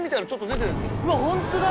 うわホントだ！